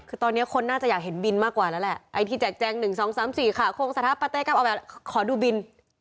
คือตอนนี้คนน่าจะอยากเห็นบินมากกว่าแล้วแหละไอ้ที่แจกแจง๑๒๓๔ขาโครงสถาปาเต้ก็เอาแบบขอดูบิน